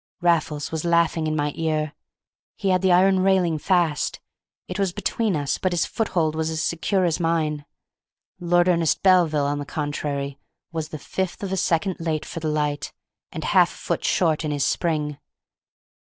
Raffles was laughing in my ear; he had the iron railing fast; it was between us, but his foothold was as secure as mine. Lord Ernest Belville, on the contrary, was the fifth of a second late for the light, and half a foot short in his spring.